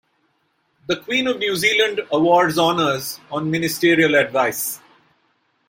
The Queen of New Zealand awards honours on ministerial advice.